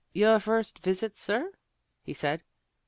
"Your first visit, sir?" he said.